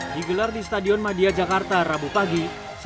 di gelar di stadion madia jakarta rabu pagi